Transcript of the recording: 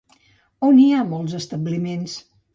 On hi ha molts establiments?